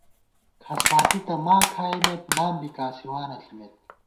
کھسباتی تہ ماں کھائیمېت ، نام بی کاسِوانہ ݪِمېت